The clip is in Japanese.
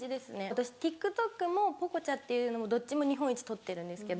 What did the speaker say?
私ＴｉｋＴｏｋもＰｏｃｏｃｈａっていうのもどっちも日本一取ってるんです。